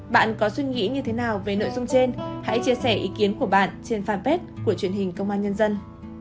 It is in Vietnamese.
bạn có suy nghĩ như thế nào về nội dung trên hãy chia sẻ ý kiến của bạn trên fanpage của truyền hình công an nhân dân